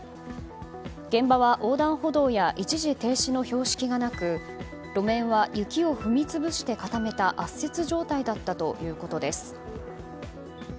現場は横断歩道や一時停止の標識がなく路面は、雪を踏み潰して固めた圧雪状態だったということです。